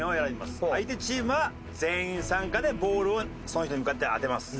相手チームは全員参加でボールをその人に向かって当てます。